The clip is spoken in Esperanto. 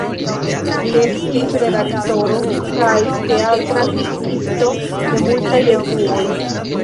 Li estis redaktoro kaj teatra kritikisto de multaj revuoj.